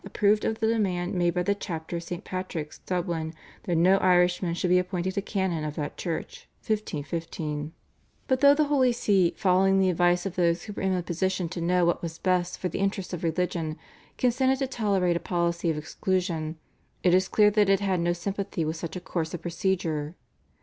approved of the demand made by the chapter of St. Patrick's, Dublin, that no Irishman should be appointed a canon of that church (1515). But though the Holy See, following the advice of those who were in a position to know what was best for the interests of religion, consented to tolerate a policy of exclusion, it is clear that it had no sympathy with such a course of procedure.